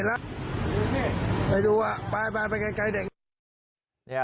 ไปดูไปเคยดื่ม